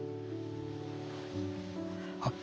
あっ。